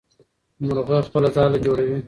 مرغه خپله ځاله جوړوي.